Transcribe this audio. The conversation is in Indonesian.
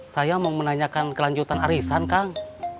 saya mau menanyakan kelanjutan arisan kang